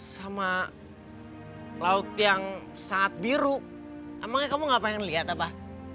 sama laut yang sangat biru emangnya kamu gak pengen lihat apa